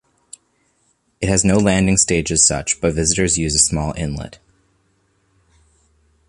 It has no landing stage as such, but visitors use a small inlet.